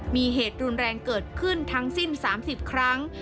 มีเหตุรุนแรงเกิดขึ้นทั้งสิ้น๓๐ครั้ง